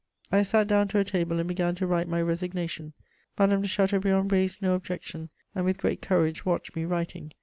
I sat down to a table and began to write my resignation. Madame de Chateaubriand raised no objection, and with great courage watched me writing.